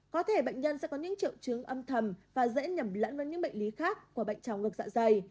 có thể bệnh nhân sẽ có những triệu chứng âm thầm và dễ nhầm lẫn với những bệnh lý khác của bệnh trào ngược dạ dày